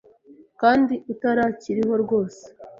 kandi utarakiriho rwose